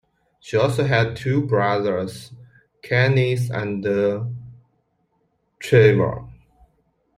She also had two brothers, Kenneth and Trevor.